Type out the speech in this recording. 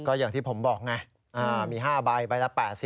ก็อย่างที่ผมบอกไงมี๕ใบใบละ๘๐